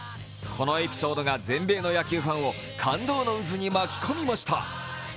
このエピソードが全米の野球ファンを感動の渦に巻き込みました。